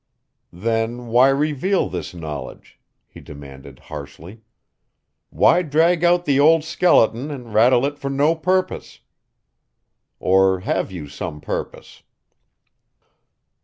"Then why reveal this knowledge?" he demanded harshly. "Why drag out the old skeleton and rattle it for no purpose? Or have you some purpose?"